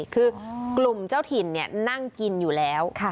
คือกลุ่มเจ้าถิ่นนั่งกินอยู่แล้ว